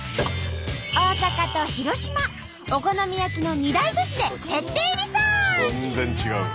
大阪と広島お好み焼きの２大都市で徹底リサーチ！